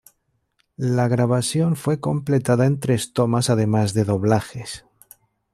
La grabación fue completada en tres tomas, además de doblajes.